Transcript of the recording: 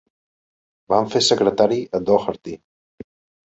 Van fer secretari a Doherty.